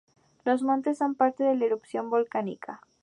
Los montes son parte de una erupción volcánica.